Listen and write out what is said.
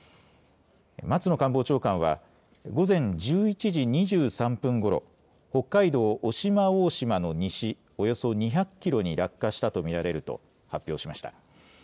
松野官房長官は、午前１１時２３分ごろ、北海道渡島大島の西およそ２００キロに落下したと見られると発表しました。